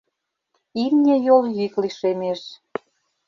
Имне йол йӱк лишемеш.